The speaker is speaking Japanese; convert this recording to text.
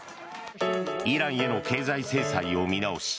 イランへの経済制裁を見直し